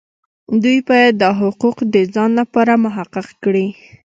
دوی باید دا حقوق د ځان لپاره محقق کړي.